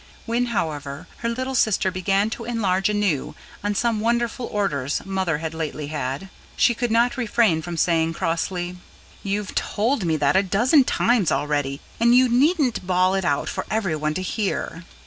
When, however, her little sister began to enlarge anew on some wonderful orders Mother had lately had, she could not refrain from saying crossly: "You've told me that a dozen times already. And you needn't bawl it out for everyone to hear."